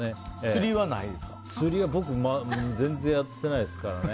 釣りは僕、全然やってないですからね。